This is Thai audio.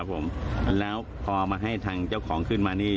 ผมแล้วพอมาให้ทางเจ้าของขึ้นมานี่